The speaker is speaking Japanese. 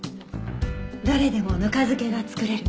誰でもぬか漬けが作れる。